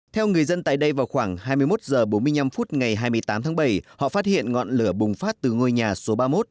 theo người dân tại đây vào khoảng hai mươi một h bốn mươi năm phút ngày hai mươi tám tháng bảy họ phát hiện ngọn lửa bùng phát từ ngôi nhà số ba mươi một